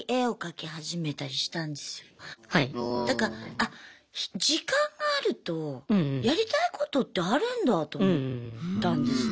だから時間があるとやりたいことってあるんだあと思ったんですね。